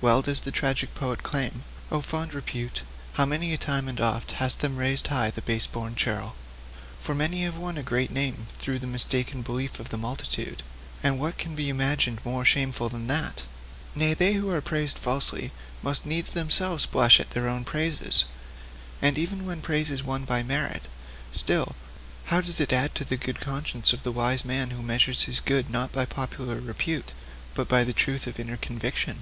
Well does the tragic poet exclaim: '"Oh, fond Repute, how many a time and oft Hast them raised high in pride the base born churl!" For many have won a great name through the mistaken beliefs of the multitude and what can be imagined more shameful than that? Nay, they who are praised falsely must needs themselves blush at their own praises! And even when praise is won by merit, still, how does it add to the good conscience of the wise man who measures his good not by popular repute, but by the truth of inner conviction?